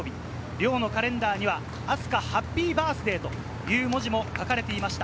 寮のカレンダーには「愛朱加ハッピーバースデー」という文字も書かれていました。